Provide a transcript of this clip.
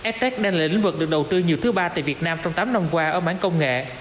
ftec đang là lĩnh vực được đầu tư nhiều thứ ba tại việt nam trong tám năm qua ở mảng công nghệ